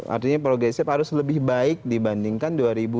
artinya progresif harus lebih baik dibandingkan dua ribu dua puluh